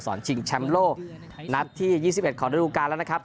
สอนชิงแชมโลนัดที่ยี่สิบเอ็ดขอรูปการณ์แล้วนะครับ